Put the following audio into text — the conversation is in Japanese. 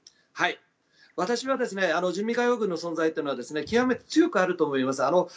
私は人民解放軍の存在は極めて強くあると思います。